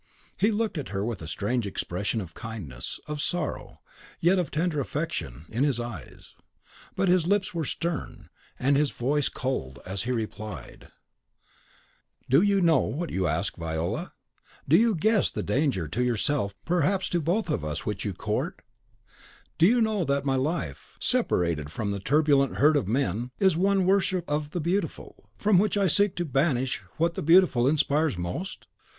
He looked at her with a strange expression of kindness, of sorrow, yet of tender affection, in his eyes; but his lips were stern, and his voice cold, as he replied, "Do you know what you ask, Viola? Do you guess the danger to yourself perhaps to both of us which you court? Do you know that my life, separated from the turbulent herd of men, is one worship of the Beautiful, from which I seek to banish what the Beautiful inspires in most?